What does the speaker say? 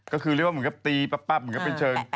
ก็คือเรียกว่ามันก็ตีปั๊บมันก็เป็นเชิง